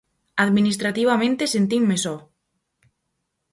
Administrativamente sentinme só.